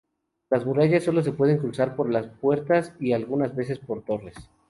Las murallas solo se pueden cruzar por las puertas y algunas veces por torres.